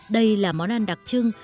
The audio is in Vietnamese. đây là món ăn đặc trưng